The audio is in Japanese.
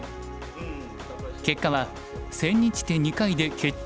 結果は千日手２回で決着つかず。